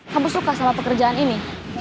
kamu suka sama pekerjaan ini